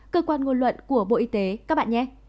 cơ quan ngôn luận của bộ y tế